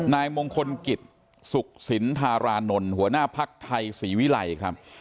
นายมงคลกฎสุขศิลธราณนท์หัวหน้าภักษ์ไทยสีวีไลค์ครับ